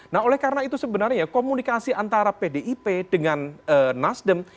nah oleh karena itu sebenarnya komunikasi antara pdip dengan nasdem